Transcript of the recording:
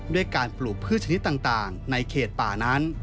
ด้วยการปลูกพืชชนิดต่างในเขตป่านั้น